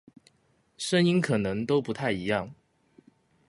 聲音可能都不太一樣